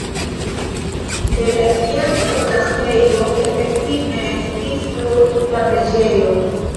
De la iama monaĥejo efektive restis nur la preĝejo.